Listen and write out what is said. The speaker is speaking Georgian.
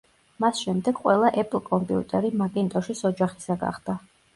მას შემდეგ ყველა ეპლ კომპიუტერი მაკინტოშის ოჯახისა გახდა.